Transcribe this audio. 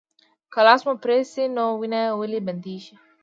که لاس مو پرې شي نو وینه ولې بندیږي